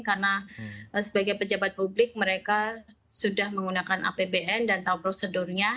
karena sebagai pejabat publik mereka sudah menggunakan apbn dan tahu prosedurnya